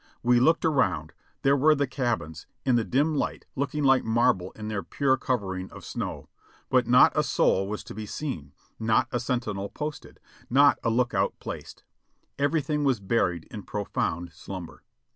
We looked around ; there were the cabins, in the dim light looking like marble in their pure cov CAPTURED AGAIN 5OI ering of snow. But not a soul was to be seen ; not a sentinel posted; not a lookout placed. Everything was buried in profound slumber.